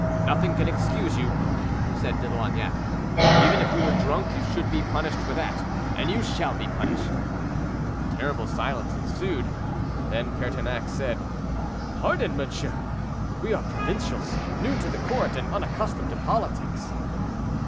"Nothing can excuse you," said De Loignac; "even if you were drunk you should be punished for that; and you shall be punished." A terrible silence ensued. Then Pertinax said, "Pardon, monsieur! we are provincials, new to the court, and unaccustomed to politics."